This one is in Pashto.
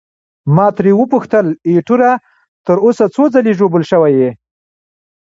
ما ترې وپوښتل: ایټوره، تر اوسه څو ځلي ژوبل شوی یې؟